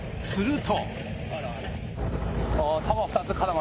すると。